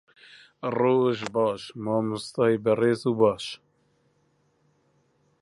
ڕۆژ باش، مامۆستای بەڕێز و باش.